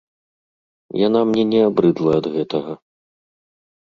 Яна мне не абрыдла ад гэтага.